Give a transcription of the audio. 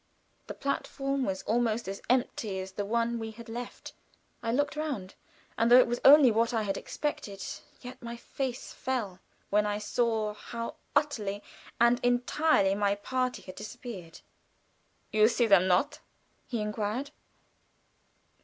The platform was almost as empty as the one we had left. I looked round, and though it was only what I had expected, yet my face fell when I saw how utterly and entirely my party had disappeared. "You see them not?" he inquired.